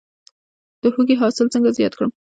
د هوږې حاصل څنګه زیات کړم؟